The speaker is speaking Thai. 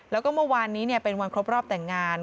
แล้วก็เมื่อวานนี้เป็นวันครบรอบแต่งงาน